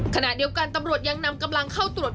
ขณะเดียวกันตำรวจยังนำกำลังเข้าตรวจ